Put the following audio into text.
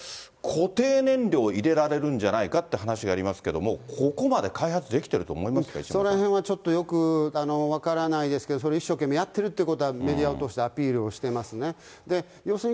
これ、固定燃料入れられるんじゃないかって話がありますけれども、ここまで開発できてると思いますか、そのへんはちょっとよく分からないですけど、それ、一生懸命やっているということは、メディアを通してアピールをしてますね。